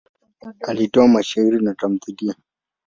Alitoa mashairi na tamthiliya.